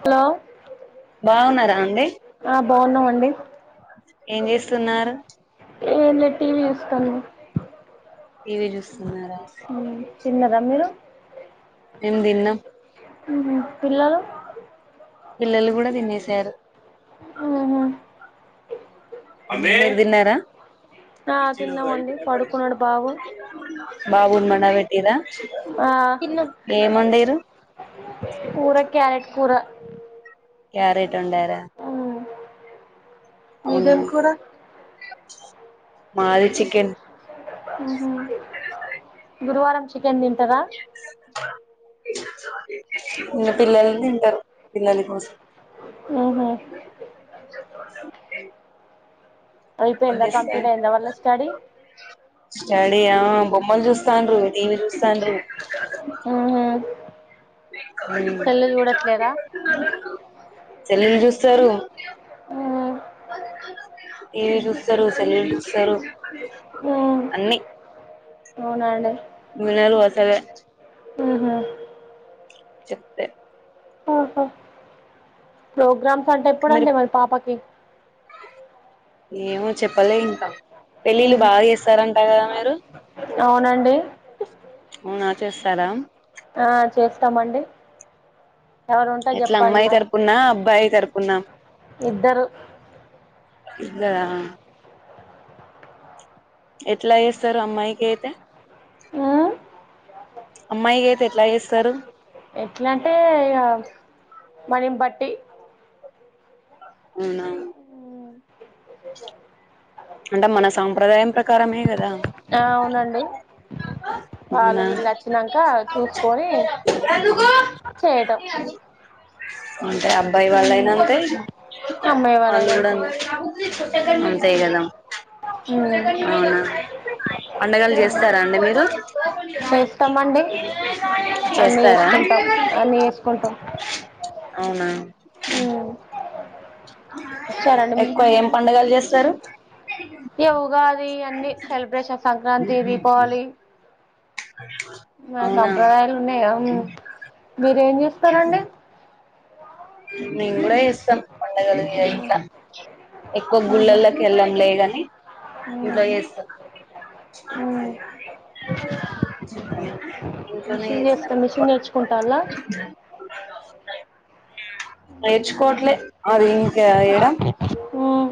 Hello బాగున్నారా అండి ఆ బాగున్నామండి ఏం చేస్తున్నారు ఏ లే టీవీ వసుకను పవిజుస్త చిన్నర తిన్నదా మీరు నిందిన్ పిల్లలు పిల్లలు కూడా తినసారు ఆ దన్నారా ఆ బచ తిన్నామండి పడ పడుకున్నాడు బాబు బాబునీ పండ పెట్టిండ్ర ఆ కూరా క్యారెట్ కూరా క్యారెట్ వండరా మీదేం కూర మాది చికెన్ హహ అ గురువారం చికెన్ తింటారా ఇంక పిల్లలు తింటారు పిల్లల కోసం అవునా [inaudible] ఏం ఐపోయిందా కంప్లీట్ చేస్తారు ఐందా మళ్ల స్టడీ స్టడీ ఆ బొమ్మలు చూస్తాన్రు టీవీ చూస్తాన్రు ఉహు [inaudible] సెల్లు చూడట్లేదా సెల్లలు చూస్తారు టీవీ చూస్తారు సెల్లు చూస్తారు అన్నీ అవునండి వినరు అస్సలే ఆహ చెప్తే ప్రోగ్రామ్ అంటే మీరు ఎప్పుడండి మళ్ళి పాపకి ఏమో చెప్పలే ఇంకా పెళ్ళిళ్ళు ఉహు బాగా చేస్తారంట కదా మీరు అవునండి అవునా చేస్తారా ఆ చేస్తామండి ఎవరు ఉంటే ఎట్లా చెప్పండి అమ్మాయి మరి తరపున అబ్బాయి తరపు పున ఇద్దరు ఇద్దర ఎట్లా చేస్తారు అమ్మాయి కైతే ఉమ్ అమ్మాయి కైతే ఎట్లా చేస్తారు ఎట్లా అంటే మనీ నీ పట్టి అవునా అంటే మన సాంప్రదాయం ప్రకారమే కదా ఆ అవునండి వాళ్ళు అవునా వీళ్ళు వచ్చినంక చూసుకొని చేయటం అంటే అబ్బాయి ఉమ్ వాళ్ళయినా అంతే అమ్మాయి వాళ్ళు వాళ్ళైనా కూడా అంతే ఇగ ఉమ్ అం అంతే కదా ఉమ్ అవున పండగలు ఉమ్ చేస్తార అండి మీరు చేస్తామండి అన్నీ చేస్తార చేసుకుంటాం అన్నీ చేసుకుంటాం అవున చరణం ఏం పండగలు చేస్తారు ఏ ఉగాది ఈ అన్ని సెల్బ్రేషన్ సంక్రాంతి దీపావళి మన అవునా సంప్రదాయాలు ఉన్నాయి మీరేం చేూస్తారండి నేన్ గూడ చేస్తాం పండగలిగి అయి ఎక్కువ ఆహా గుళ్ళల్లకి వెళ్ళం గె ది మ్మ్ ఇలా ఎస్త మ్మ్ ఇంట్లోనే మిషెన్ చేస్తాం చేస్తాను మిషన్ నేర్చుకుంటాల్య నేర్చుకోవట్లే అది ఇంక ఏడ మ్మ్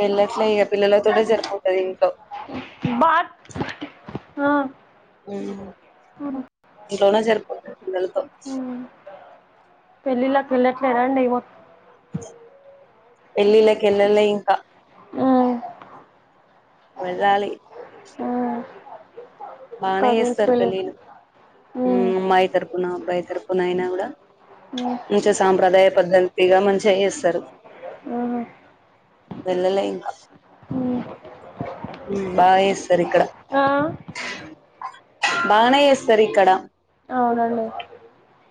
వెళ్ళట్లే ఇక పిల్లలతో టె సరిపోతాది ఇంట్లో బాత్ అ ఇంట్లోనే సరిపోతుారు పిల్లలతో పెళ్ళిలకి వెళ్ళట్లేదండి మొత్తం పెల్లిలకి ఎల్లలే ఇంక మ్మ్ వదాలి మ్మ్ బానే కజిన్స్ ఎస్తరు పెళ్ళి పెళ్లిళ్లు మ్మ్ అమ్మాయి తరపున అబ్బాయి తరపున అయినా కూడ మ్మ్ మంచిగా సాంప్రదాయ పద్ధతిగా మంచిగా చేస్తరు మ్మ్ వెళ్ళలే ఇంక మ్మ్ బాగా చేస్తారు ఇక్కడ ఆ బానే ఏస్తరిీక్కడా అవునండె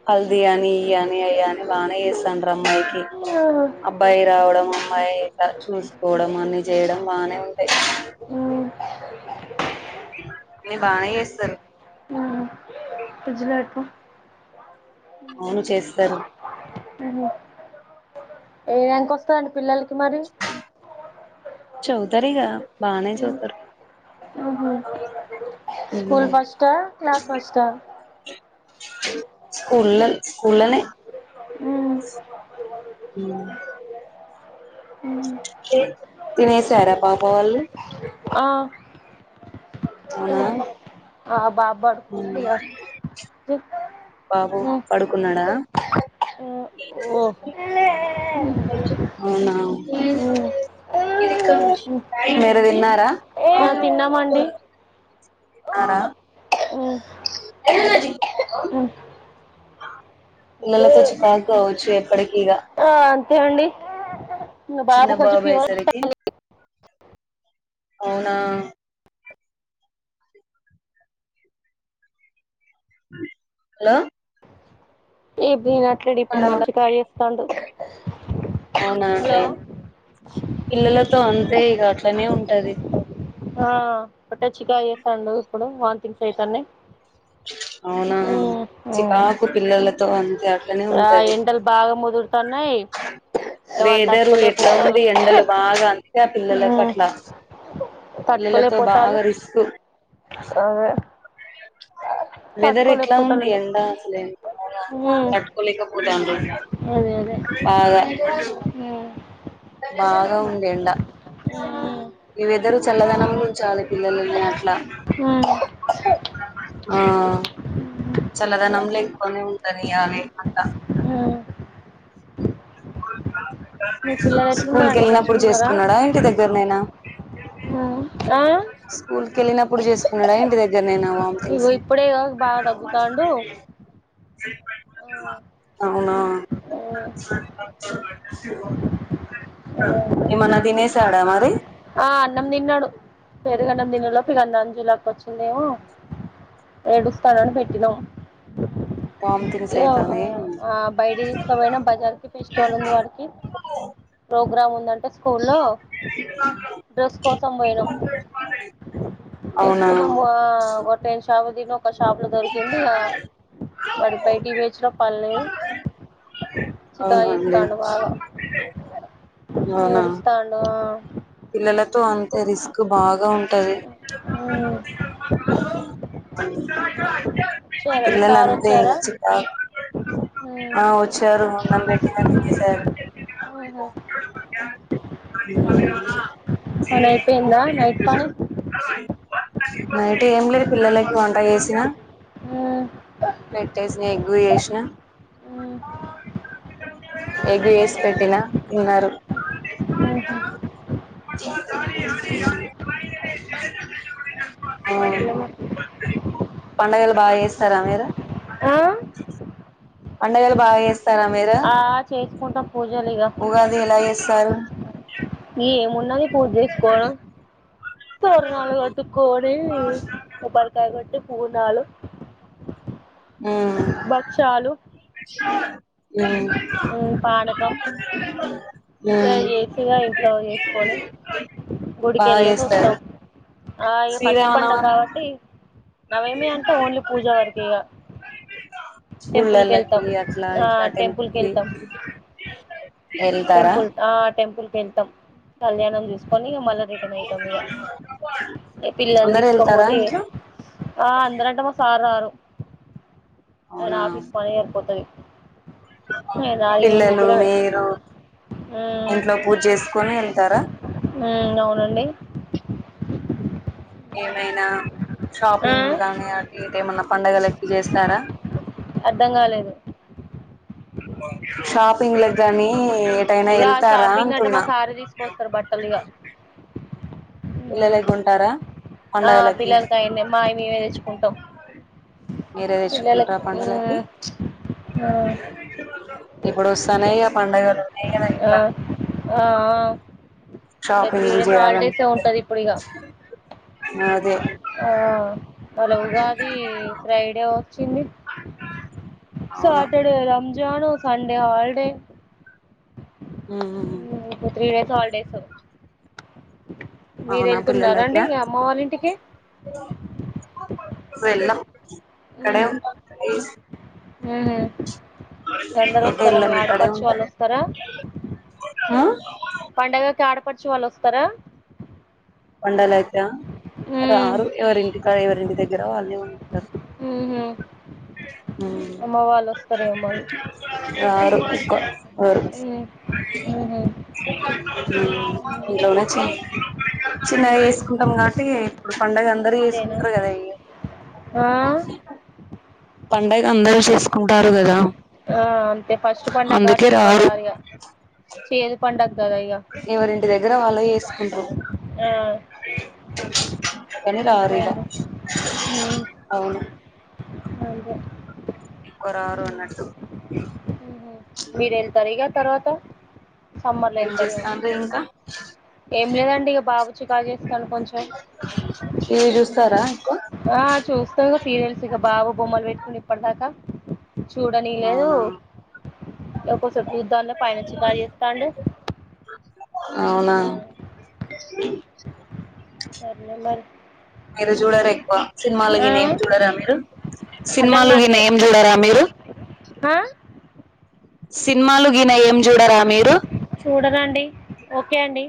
హల్దీ అని ఇయని అయ అని బానే చేస్తంట అమ్మాయికి మ్మ్ అబ్బాయి రావడం అమ్మాయి చూసుకోవడం అన్ని చేయడం బానే ఉంటాయి మ్మ్ నె బానె చేస్తారు ప్రజలకు అవును చేస్తరు మ్మ్ ఏ వెంకేస్తాను పిల్లలకు కుమారి చదువుతారిగా బానే చదువుతరు ఆహా school first class first school స్కూల్లనే మ్మ్. మ్ తినేసార పాప వాల్లు ఆ అవున ఆ బాబ్ బడ్స్ ఉందిగా బాబు పడుకున్నాడా ఓ అవునా మ్మ్. మీరు తిన్నారా వా ఇంకా పో తిన్నామండి తిన్నార చ్చ పాకచ్చు ఎప్పటికిీగా ఆ, అంతే అండి ఇంకా చిన్న కొంచెం బాబు ఫీవర్ అయ్యేసరికి అవునా హలో ఎప్పుడ నా ఇక్కడి ఇప్పుడు హలో మల కా త్తండు అవునా అండి పిల్లలతో అంతే ఇగట్లనే ఉంట అది ఆ బట్టచ్చికా చేస్తాండు ఇప్పుడు వాన్ థింగ్స్ వసాడి అవునా చికాకు పిల్లల ద అంత అట్లానే ఆ, ఉంటది ఎండలు బాగా ముదురుతున్నాయి ఇక వాళ్ళు వేదరు ఎట్లా తట్టుకోలేకపోతారు ఉంది ఎండలు బాగా అంతే ఆ పిల్లలకు మ్మ్. అట్లా పిల్లలతో తట్టుకోలేకపోతాలు బాగా రిస్క్ అదే వెదర్ ఎట్లా ఉంది తట్టుకోలేకపోతాలండు ఎండ అసలే కట్టుకోలేకపోతుాం అదే అదే బాగా బాగా ఉంది ఎండా ఇవిద్దరుూ చల్లదనంలో చాలి పిల్లలని అట్లా ఆ చలదనమ్లే కొనే ఉంటని అే అంట ఆ మీ పిల్లలు స్కూల్ కి ఎట్లున్నారండి వెళ్ళినప్పుడు మంచిగా ఉన్నారా చేసుకున్నాడా ఇంటి దగ్గరనేనా ఆ స్కూల్ క వెళ్ళినప్పుడు చేస్తున్నాడు ఏంట నేను ఇగో ఇప్పుడే బాగా తగ్గుతాండు అవునా అ చడ మరి అన్నం దిన్నాడు పేరుగ అన్నం తిన్నడు లో ప అన్నంజు క్క వచ్చిందేమో ఏడుస్తానుని పెట్టినాం వామిటింగ్స్ అయితానే బయట తీసుకపోయినా బజార్కి ఫెస్టివల్ ఉంది వాడికి ప్రోగ్రామ్ ఉందంటే స్కూ లో డ్రెస్ కోసం బోయినాం డ్రెస్ అవునా కోసం పో ఒక షాపు దిన ఒక షాప్ లో దొరికింది ఇగ వాడి బైటి వేజ లో పనిలేదు అవునండి చికాక్చెస్తాండు బాగా అవునా ఎడుస్తాండు ఆ పిల్లలతో అం రిస్క్ బాగా ఉంటది ఉమ్. వచ్చారా మీ సార్ పిల్లలంతే ఇగ వచ్చారా చికాకు ఉమ్. ఆ వచ్చారు అన్నం పెట్తెతినెసారు ఉహు. మ్ పనఅయిపోయిందా నైట్ పని నైట్ ఏం లేద్ పిల్లలకి వంట చేసినా ఉమ్. పెట్టేసిన ఎగ్గు చేసిన ఉమ్. ఎగ్ ఎసి పెట్టినా తిన్నారు మ్హ్ [inaudible] అ సరేలే. పండగలు బాగా చేస్తారా మీరు అ ఆ? పండగాలు బాగాచెస్ తార మీరు ఉంటం ఉగాది ఎలా చేసారు ఏమున్నది పూజెస్కొవడం తోరణలు కట్టుకోని కోబ్బరికాయ కొట్టి పుర్నాలు ఉమ్ బఛ్ఛలు హ్మ్ హ్మ్ పానకం ఉమ్ ఇగచేసిగా ఇంట్లో చేసుకొని గుడికి బాగా వెళ్ళేసి చేస్తారు వస్తాం, అ ఇగ ఫస్ట్ పండుగ శ్రీరామనవమి కాబట్టి నవమి అంటే ఓన్లీ పూజా వరకే ఇగ టెంపుల్ కి గుళ్ళలకి వెళ్తాం అట్లా ఆ ఇట్లా టెంపుల్ కి టెంపుల్కి [inaudible] వెళ్తాం [inaudible] టెంపుల్ ఆ టెంపుల్ వెళ్తాం కళ్యాణం చూస్త్ తీసుకొని ఇక మళ్ళీ రిటర్న్ అయితాం ఇక పిల్లని అందరు తీసుకో వెళ్తారా పోతే ఇంట్లో ఆ అందరంటే మా సారు రారు తను అవునా ఆఫీస్ పనయాక పోతది పిల్లలు ముగ్గురమే మీరు. మ్మ్ ఇంట్లో పూజ చేసుకొని. అంటారా. మ్మ్ అవునండి ఏమైనా. ఆ షాపింగ్ లు గానీ అటు ఇటు ఏమన్నా. పండగలకి చేస్తారా. అర్ధం కాలేదు. షాపింగ్ లక్గానీ. ఏటైనా ఇగ వెళ్తారా షాపింగ్ అంటే మా అంటున్నా సారే తీసుకొస్తారు బట్టలు ఇగ వెళ్లలేకు ఉంటారా. ఆ పిల్లలకి అయింది మాయనే వేద్. తేచుకుంటాం. మీరే తెచ్చుకుంటార పండగలకి ఇప్పుడు వస్తానాయ పండగలు ఉన్నాయి కదా ఆ ఇంకా. ఆ త్రీ షాపింగ్ డేస్ హాలిడేస్ ఉంటాది ఇప్పుడు ఇగ. ఆ అదే. ఆ మళ్ళా ఉగాది ఫ్రైడే వ. చ్చింది. అవును Saturday Ramzan. Sunday holiday. హ్మ్. Three days holidays. మీరు అవునా పిల్లలకి వెళ్తున్నారండి అమ్మ వాళ్ళ ఇంటికి. వెళ్ళం. ఇక్కడే ఉంటాం. ఉమ్ వెళ్ళం ఇక్కడే ఉంటాం. వాళ్ళు వస్తారా ఆ పండగకి ఆడపడ్ చు వాళ్ళు వస్తారా. పండగ అయితే. ఆ రారు ఎవరి ఇంటి ఇంకా ఎవరి ఇంటి దగ్గర వాళ్ళే ఉంటారు. హ్మ్ అమ్మ వాళ్ళు వస్తారేమో మరి రారు. ఉక్కువా. రారు. ఇంట్లోనేచే. చిన్నవి వేసుకుంటాం కాబట్టి. పండగ అందరు అంతేనా చేసుకుంటారు కదా. ఆ పండగ అందరూ చేసుకుంటారు కదా. ఆ అంతే ఫస్ట్ పండుగ కాబటి అందుకే ఎవరు రారు రారుగా చేదు పండుగ. ఎవరింటి దగ్గర వాళ్ళే. కుంటారు. ఆ అందుకే రారు అంతే ఇగ అండి అవును. అంతే ఎక్కువ రారు అన్నట్టు మీరు వెళ్తారు ఈగ తర్వాత. సమ్మర్ లో ఏం వెళ్తారేమో చేస్తాండ్రు ఇంకా ఏం లేదండి బాబు చికాక్. ఏం తర ఆ చూస్తాం సీరియల్స్ ఇగ బాబు బొమ్మలు పెట్టుకుని ఇప్పటిదాకా. చూడని లేదు. అవునా ఒక చూద్దాం లే పైన చికాక్ చేస్తాడు. ఆ. సరేలే మరి మీరు చూడరు ఎక్కువ సినిమాలు ఆ ని ఏం చూడరా మీరు అర్ధం సినిమాలు ఈ కాట్లే నేమ్ చూడరా మీరు. సినిమాలు గీన ఏం చూడరా మీరు. చూడరండి ఓకే అండి